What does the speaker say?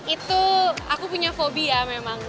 itu aku punya fobia memang